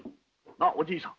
なあおじいさん。